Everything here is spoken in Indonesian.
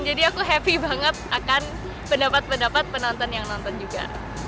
jadi aku happy banget akan pendapat pendapat penonton yang nonton juga